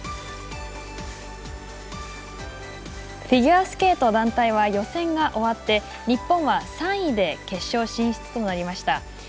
フィギュアスケート団体は予選が終わって日本は３位で決勝進出となりました。